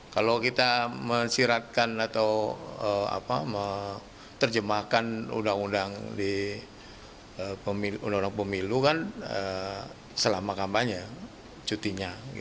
kalau kita mensiratkan atau terjemahkan undang undang pemilu kan selama kampanye cutinya